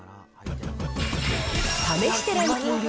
試してランキング